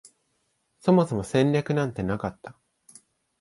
そもそも戦略なんてなかった